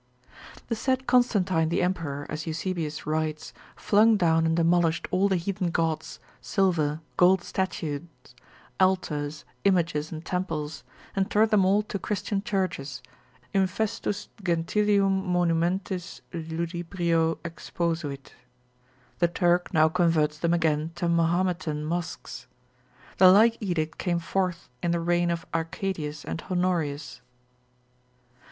The said Constantine the emperor, as Eusebius writes, flung down and demolished all the heathen gods, silver, gold statues, altars, images and temples, and turned them all to Christian churches, infestus gentilium monumentis ludibrio exposuit; the Turk now converts them again to Mahometan mosques. The like edict came forth in the reign of Arcadius and Honorius.